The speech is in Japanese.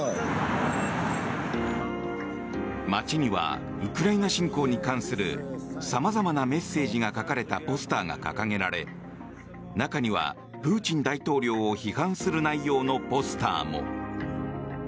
街にはウクライナ侵攻に関するさまざまなメッセージが書かれたポスターが掲げられ中には、プーチン大統領を批判する内容のポスターも。